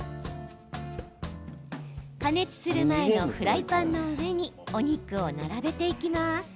加熱する前のフライパンの上にお肉を並べていきます。